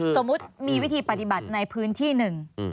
สมมุติมีวิธีปฏิบัติในพื้นที่หนึ่ง